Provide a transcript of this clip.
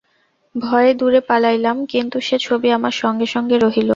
ভয়ে দূরে পলাইলাম, কিন্তু সে ছবি আমার সঙ্গে সঙ্গে রহিল।